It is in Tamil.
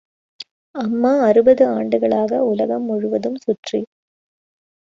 அம்மா அறுபது ஆண்டுகளாக உலகம் முழுவதும் சுற்றி.